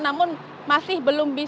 namun masih belum diperhatikan